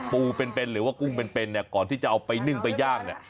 ปูเป็นเป็นหรือกุ้งเป็นเป็นก่อนที่จะเอาไปนึ่งไปย่าง